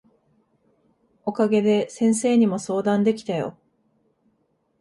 お陰で先生にも相談できたよ。